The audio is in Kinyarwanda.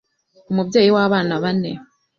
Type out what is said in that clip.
umubyeyi w’abana bane